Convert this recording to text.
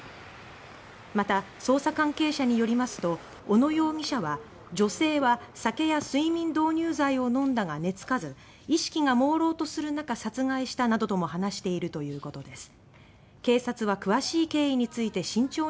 また、捜査関係者によりますと小野容疑者は「女性は酒や睡眠導入剤を飲んだが寝付かず意識がもうろうとするなか殺害した」などとも話しているということです。